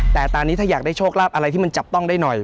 แต่ตอนนี้ถ้าอยากได้โชคลาภอะไรที่มันจับต้องได้หน่อย